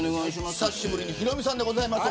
久しぶりにヒロミさんです。